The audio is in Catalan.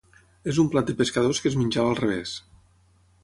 És un plat de pescadors que es menjava al revés